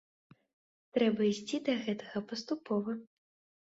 Трэба ісці да гэтага паступова.